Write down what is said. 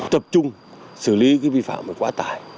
tập trung xử lý vi phạm về quá tải